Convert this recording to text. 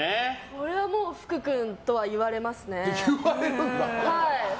それはもう福君とは言われますね。